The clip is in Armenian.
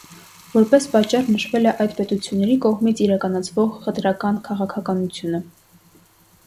Որպես պատճառ նշվել է այդ պետությունների կողմից իրականացվող խտրական քաղաքականությունը։